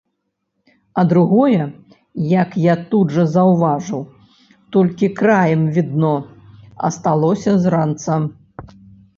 А другое, як я тут жа заўважыў, толькі краем відно асталося з ранца.